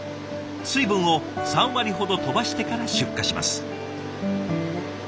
水分を３割ほど飛ばしてから出荷します。